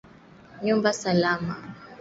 nyumba salama